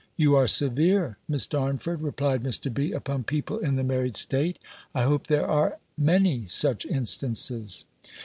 "You are severe, Miss Darnford," replied Mr. B., "upon people in the married state: I hope there are many such instances."